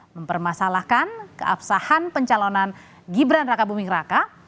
mempermasalahkan keabsahan pencalonan gibran raka buming raka